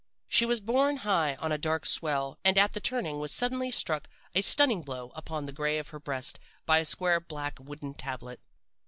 She was borne high on a dark swell, and at the turning was suddenly struck a stunning blow upon the gray of her breast by a square black wooden tablet.